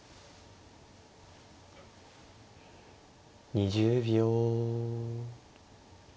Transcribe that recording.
２０秒。